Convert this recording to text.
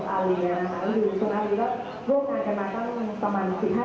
ผมพูดกับอะไรทำงานด้วยกัน๕๐ตัวเนาะ